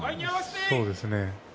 そうですね。